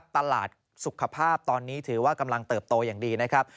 ตลาดสุขภาพตอนนี้ถือว่ากำลังเติบโตอย่างดีนะครับ